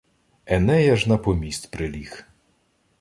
Еней аж на поміст приліг.